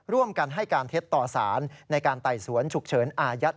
ร่วมกันให้การเท็จต่อสารในการไต่สวนฉุกเฉินอายัด